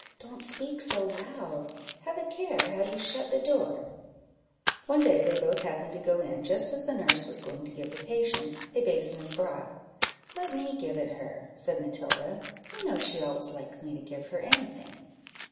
don't speak so loud; have a care how you shut the door," &c. One day they both happened to go in just as the nurse was going to give the patient a basin of broth "Let me give it her," said Matilda; "you know she always likes me to give her any thing."